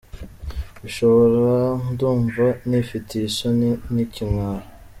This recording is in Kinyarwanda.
bishobora ! Ndumva nifitiye isoni n’ikimwaro….